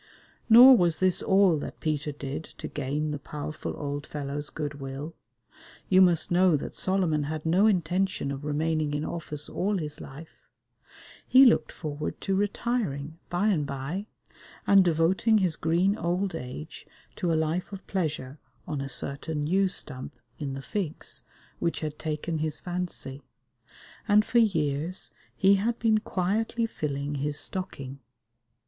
Nor was this all that Peter did to gain the powerful old fellow's good will. You must know that Solomon had no intention of remaining in office all his life. He looked forward to retiring by and by, and devoting his green old age to a life of pleasure on a certain yew stump in the Figs which had taken his fancy, and for years he had been quietly filling his stocking.